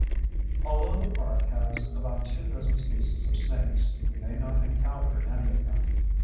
Although the park has about two dozen species of snakes, you may not encounter any of them.